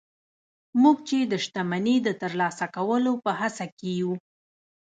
موږ چې د شتمني د ترلاسه کولو په هڅه کې يو.